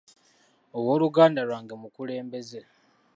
Ow'oluganda lwange mukulembeze.